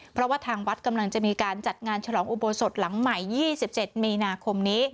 เพราะว่าทางวัดกำลังจะมีการจัดงานฉลองอุโบสถหลังใหม่๒๗มีนาคมนี้